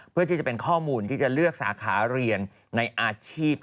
เพื่อที่จะเป็นข้อมูลที่จะเลือกสาขาเรียนในอาชีพ